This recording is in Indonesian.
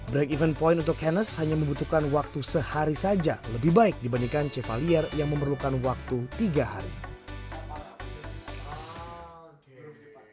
break even point untuk canness hanya membutuhkan waktu sehari saja lebih baik dibandingkan chevalier yang memerlukan waktu tiga hari